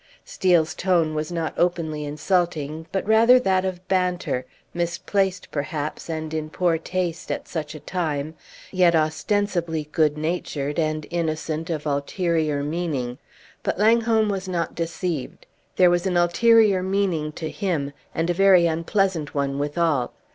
Steel's tone was not openly insulting, but rather that of banter, misplaced perhaps, and in poor taste at such a time, yet ostensibly good natured and innocent of ulterior meaning. But Langholm was not deceived. There was an ulterior meaning to him, and a very unpleasant one withal.